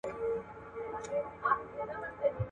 استازي له ډېرې مودې راهيسې پر بوديجه بحث کوي.